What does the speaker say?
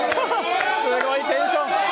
すごいテンション。